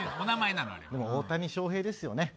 大谷翔平ですよね。